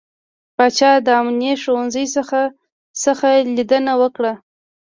پاچا د اماني ښوونځي څخه څخه ليدنه وکړه .